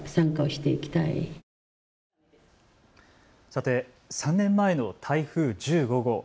さて、３年前の台風１５号。